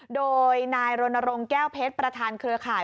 โดยนายรณรงค์แก้วเพชรประธานเครือข่าย